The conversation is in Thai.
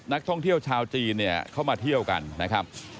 นักท่องเที่ยวชาวจีนเนี่ยเข้ามาเที่ยวกันนะครับ